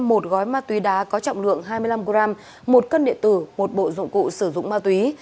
một gói ma túy đá có trọng lượng hai mươi năm g một cân điện tử một bộ dụng cụ sử dụng ma túy